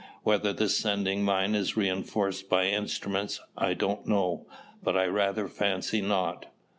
Whether the sending mind is reinforced by instruments I don't know, but I rather fancy not."